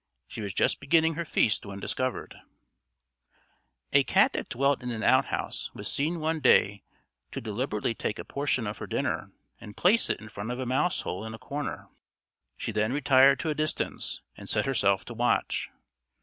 She was just beginning her feast when discovered. A cat that dwelt in an outhouse, was seen one day to deliberately take a portion of her dinner, and place it in front of a mouse hole in a corner. She then retired to a distance, and set herself to watch.